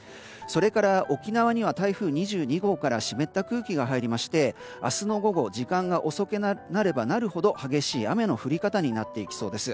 それから沖縄には台風２２号が湿った空気が入りまして明日の午後時間が遅くなればなるほど激しい雨の降り方になっていきそうです。